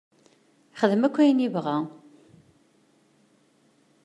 Yexdem akk ayen yebɣa.